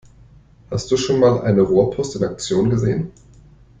Hast du schon mal eine Rohrpost in Aktion gesehen?